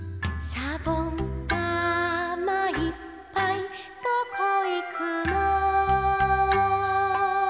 「しゃぼんだまいっぱいどこいくの」